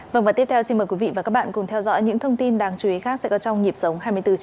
vâng và tiếp theo xin mời quý vị và các bạn cùng theo dõi những thông tin đáng chú ý khác sẽ có trong nhịp sống hai mươi bốn h